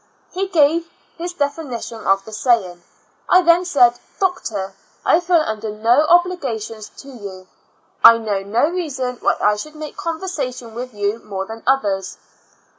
He gave his definition of the saying. I then said, "Doctor, I feel under no obligations to you; I know no reason why I should make conversation with you more than others."